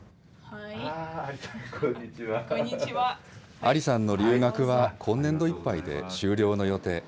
アリさんの留学は今年度いっぱいで終了の予定。